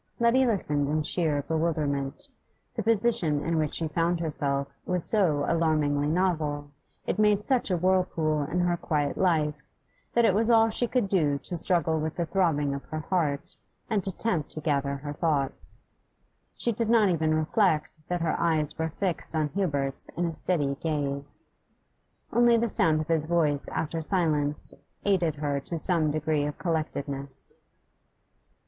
Letty listened in sheer bewilderment. The position in which she found herself was so alarmingly novel, it made such a whirlpool in her quiet life, that it was all she could do to struggle with the throbbing of her heart and attempt to gather her thoughts. She did not even reflect that her eyes were fixed on Hubert's in a steady gaze. Only the sound of his voice after silence aided her to some degree of collectedness.